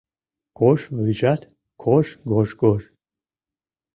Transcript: Кож вуйжат - кож-гож-гож